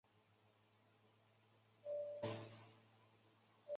萨兰迪是巴西南大河州的一个市镇。